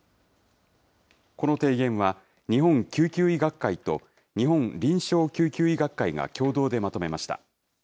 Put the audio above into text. この提言は、日本救急医学会と日本臨床救急医学会が共同でまとめました。